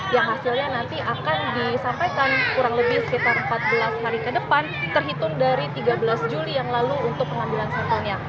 yang hasilnya nanti akan disampaikan kurang lebih sekitar empat belas hari ke depan terhitung dari tiga belas juli yang lalu untuk pengambilan sampelnya